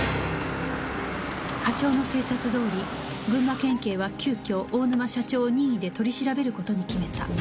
課長の推察どおり群馬県警は急遽大沼社長を任意で取り調べる事に決めた